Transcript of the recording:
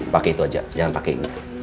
pake itu aja jangan pake ini